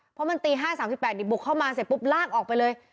เพราะมันตี๕๓๘นี่บุกเข้ามาเสร็จปุ๊บลากออกไปเลย